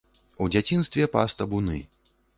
У дзяцінстве пас табуны.